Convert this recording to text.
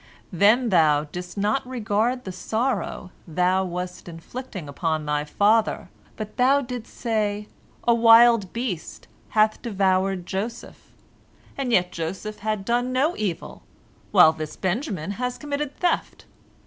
Then thou didst not regard the sorrow thou wast inflicting upon thy father, but thou didst say, A wild beast hath devoured Joseph. And yet Joseph had done no evil, while this Benjamin has committed theft.